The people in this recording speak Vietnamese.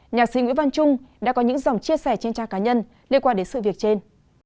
nhạc sĩ nguyễn văn trung đã có những dòng chia sẻ trên trang cá nhân liên quan đến sự việc trên